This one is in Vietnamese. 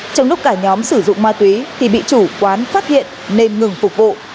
trong lúc cả nhóm sử dụng ma túy thì bị chủ quán phát hiện nên ngừng phục vụ